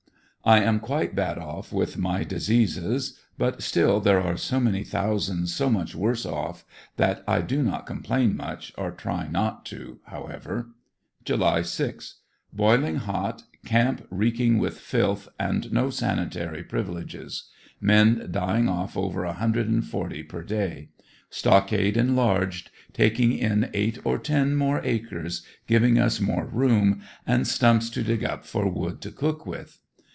I am quite bad off with my diseases, but still there are so many thou sands so much worse off that I do not complain much, or try not to however July f' — Boiling hot, camp reeking with filth, and no sanitary privileges; men dying off over a hundred and forty per da}^ Stock ade enlarged, taking in eight or ten more acres, giving us more room, and stumps to dig up for wood to cook with.